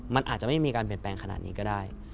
มันอาจจะไม่มีการเปลี่ยนแปลงขนาดนี้ก็ได้